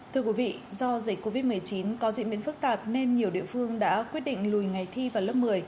thưa quý vị do dịch covid một mươi chín có diễn biến phức tạp nên nhiều địa phương đã quyết định lùi ngày thi vào lớp một mươi